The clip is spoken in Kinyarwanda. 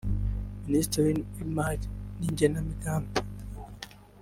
Ministiri w’Imari n’Igenamigambi